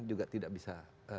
juga tidak bisa